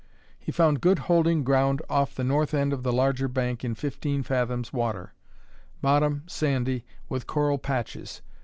He found good holding ground off the north end of the larger bank in fifteen fathoms water; bottom sandy, with coral patches.